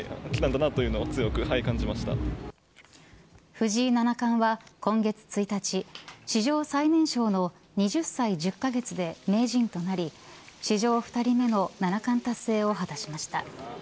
藤井七冠は今月１日史上最年少の２０歳１０カ月で名人となり史上２人目の七冠達成を果たしました。